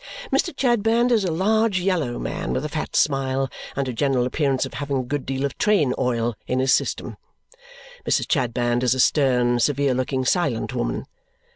Mr. Chadband is a large yellow man with a fat smile and a general appearance of having a good deal of train oil in his system. Mrs. Chadband is a stern, severe looking, silent woman.